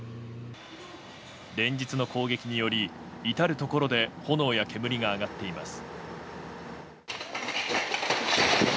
連日の攻撃により至るところで炎や煙が上がっています。